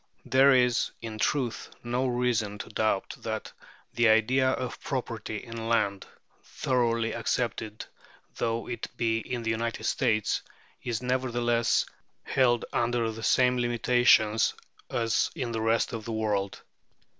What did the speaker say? There is, in truth, no reason to doubt that the idea of property in land, thoroughly accepted though it be in the United States, is nevertheless held under the same limitations as in the rest of the world.